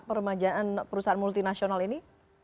permajaan perusahaan multinasional ini